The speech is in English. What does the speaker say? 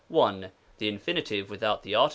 The Infin. without the Art.